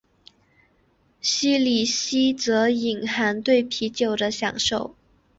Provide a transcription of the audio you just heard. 西里斯则隐含对啤酒的享受。